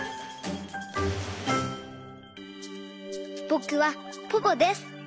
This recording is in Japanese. ぼくはポポです。